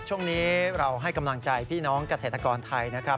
ช่วงนี้เราให้กำลังใจพี่น้องเกษตรกรไทยนะครับ